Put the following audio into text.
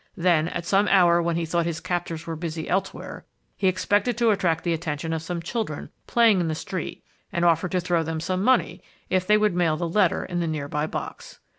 Then, at some hour when he thought his captors were busy elsewhere, he expected to attract the attention of some children playing in the street and offer to throw them some money if they would mail the letter in the nearby box.